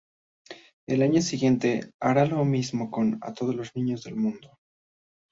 El año siguiente hará lo mismo con "A todos los niños del mundo".